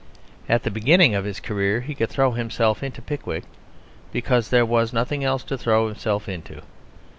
At the beginning of his career he could throw himself into Pickwick because there was nothing else to throw himself into.